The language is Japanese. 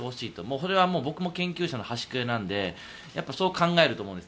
それは僕も研究者の端くれなんでそう考えると思うんです。